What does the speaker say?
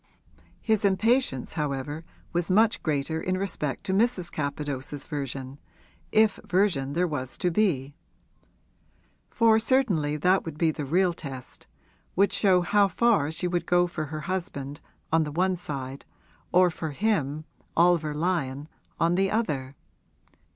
His impatience however was much greater in respect to Mrs. Capadose's version, if version there was to be; for certainly that would be the real test, would show how far she would go for her husband, on the one side, or for him, Oliver Lyon, on the other.